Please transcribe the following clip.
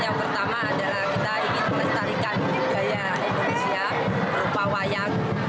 yang pertama adalah kita ingin melestarikan budaya indonesia berupa wayang